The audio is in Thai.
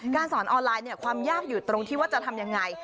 สอนออนไลน์ความยากอยู่ตรงที่ว่าจะทำยังไง